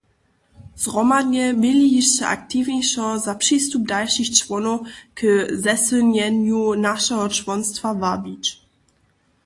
Zhromadnje měli hišće aktiwnišo za přistup dalšich čłonow k zesylnjenju našeho čłonstwa wabić.